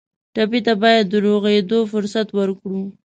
ټپي ته باید د روغېدو فرصت ورکړو.